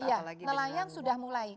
ya nelayan sudah mulai